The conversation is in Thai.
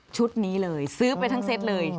ชุดนี้เลยซื้อไปทั้งเซตเลย